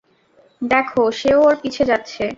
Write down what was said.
দেখ, সেও ওর পিছে যাচ্ছে।